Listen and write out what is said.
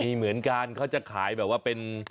มีเหมือนกันเขาจะขายแบบว่าเป็น